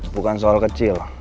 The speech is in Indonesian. bukan soal kecil